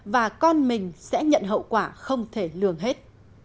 và con mình sẽ nhận hậu quả không thể lường hết